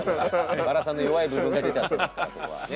バラさんの弱い部分が出ちゃってますからここはね。